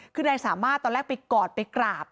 คือนายสามารถตอนแรกไปกอดไปกราบ